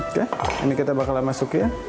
oke ini kita bakalan masukin